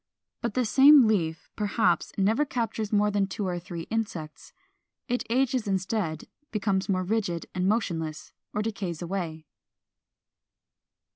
But the same leaf perhaps never captures more than two or three insects. It ages instead, becomes more rigid and motionless, or decays away.